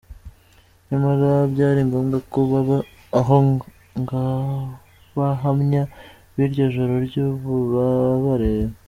Nyamara byari ngombwa ko baba aho nk’abahamya b’iryo joro ry’ububabare.